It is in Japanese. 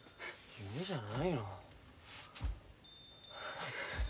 夢じゃない。